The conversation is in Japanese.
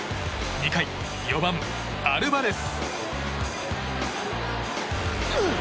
２回、４番、アルバレス。